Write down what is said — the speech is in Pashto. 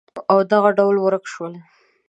او دغه ډول ورک شول